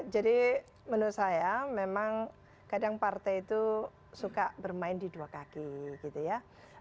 jadi menurut saya memang kadang partai itu suka bermain di dua kaki gitu ya